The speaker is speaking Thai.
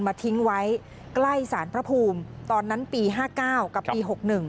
ทิ้งไว้ใกล้สารพระภูมิตอนนั้นปี๕๙กับปี๖๑